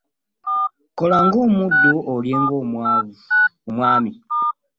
Kola ng'omuddu olye ng'omwami.